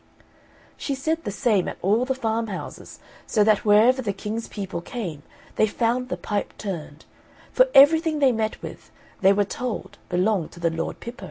She said the same at all the farmhouses, so that wherever the King's people came they found the pipe tuned; for everything they met with, they were told, belonged to the Lord Pippo.